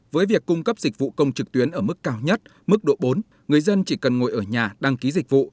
với việc cung cấp dịch vụ công trực tuyến ở mức cao nhất mức độ bốn người dân chỉ cần ngồi ở nhà đăng ký dịch vụ